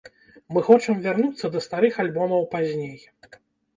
Мы хочам вярнуцца да старых альбомаў пазней.